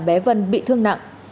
bé vân bị thương nặng